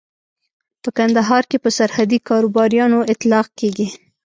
په کندهار کې پر سرحدي کاروباريانو اطلاق کېږي.